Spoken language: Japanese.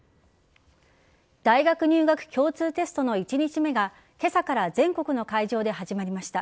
大学入学共通テストの１日目が今朝から全国の会場で始まりました。